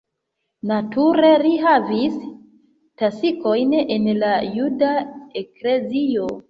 Nature li havis taskojn en la juda eklezio.